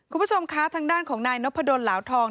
คุณผู้ชมคะทางด้านของนายนพดลเหลาทอง